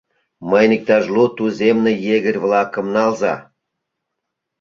— Мыйын иктаж лу туземный егерь-влакым налза.